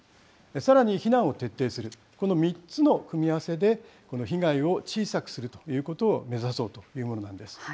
さらに避難を徹底する、この３つの組み合わせで、この被害を小さくするということを目指そうというものなんです。